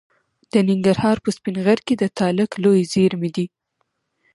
د ننګرهار په سپین غر کې د تالک لویې زیرمې دي.